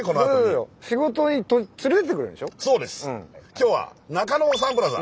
今日は中野サンプラザ。